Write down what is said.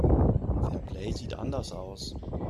Fairplay sieht anders aus.